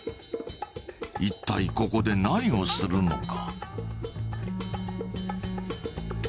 いったいここで何をするのか？